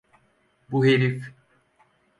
Bu herif…